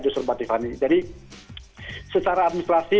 jadi secara administrasi